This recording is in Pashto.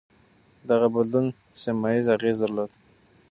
دغه بدلون سيمه ييز اغېز درلود.